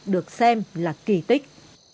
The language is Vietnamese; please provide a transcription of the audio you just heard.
được xem là kỳ tích